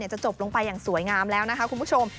จะจบลงไปอย่างสวยงามแล้วนะคะคุณผู้ชม